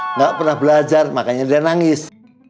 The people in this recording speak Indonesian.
nggak pernah belajar makanya dia nangis